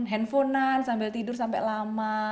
handphone an sambil tidur sampai lama